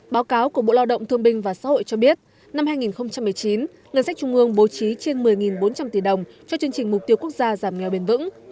báo cáo của bộ lao động thương binh và xã hội cho biết năm hai nghìn một mươi chín ngân sách trung ương bố trí trên một mươi bốn trăm linh tỷ đồng cho chương trình mục tiêu quốc gia giảm nghèo bền vững